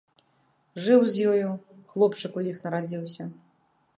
Жыў з ёю, хлопчык у іх нарадзіўся.